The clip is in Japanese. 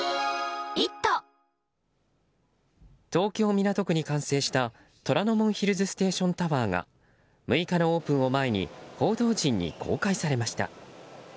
東京・港区に完成した虎ノ門ヒルズステーションタワーが６日のオープンを前に報道陣に公開されました。